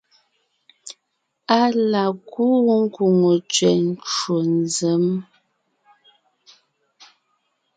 Á la kúu kwòŋo tsẅɛ ncwò nzěm,